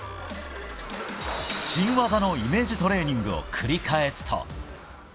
新技のイメージトレーニングを繰り返すと。